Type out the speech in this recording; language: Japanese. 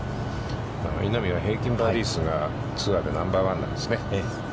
稲見は平均バーディー数がツアーでナンバーワンなんですよね。